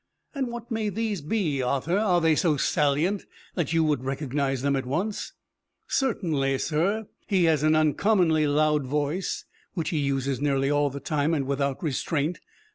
"And what may those be, Arthur? Are they so salient that you would recognize them at once?" "Certainly, sir. He has an uncommonly loud voice, which he uses nearly all the time and without restraint.